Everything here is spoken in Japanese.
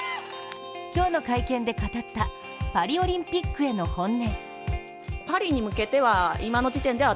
今日の会見で語ったパリオリンピックへの本音。